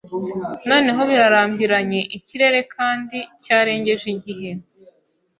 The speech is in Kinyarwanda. Noneho birarambiranye ikirere kandi cyarengeje igihe